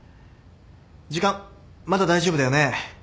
時間まだ大丈夫だよね。